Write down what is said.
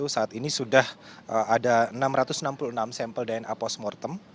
saat ini sudah ada enam ratus enam puluh enam sampel dna postmortem